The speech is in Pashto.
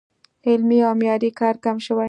علمي او معیاري کار کم شوی